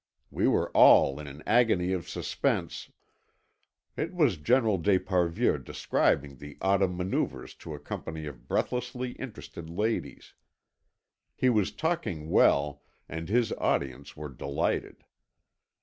We were all in an agony of suspense...." It was General d'Esparvieu describing the autumn manoeuvres to a company of breathlessly interested ladies. He was talking well and his audience were delighted.